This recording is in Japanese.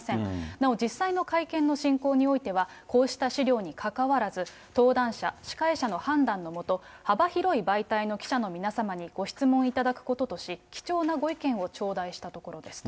なお実際の会見の進行においては、こうした資料にかかわらず、登壇者、司会者の判断のもと、幅広い媒体の記者の皆様にご質問いただくこととし、貴重なご意見を頂戴したところですと。